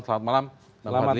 selamat malam bang fadli